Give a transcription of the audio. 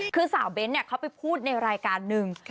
คือสาวเบ้นเขาไปพูดในรายการหนึ่ง